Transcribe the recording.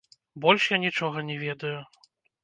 Больш я нічога не ведаю.